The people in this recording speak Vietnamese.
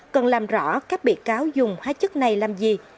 cần làm rõ các bị cáo dùng hóa chất này làm gì